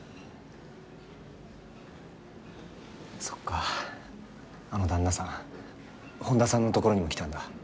そっかあの旦那さん本田さんのところにも来たんだ。